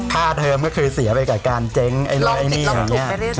ค่าเทอมก็คือเสียไปกับการเจ๊งลองผิดลองถูกไปเรื่อย